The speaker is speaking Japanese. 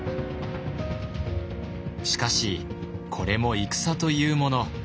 しかしこれも戦というもの。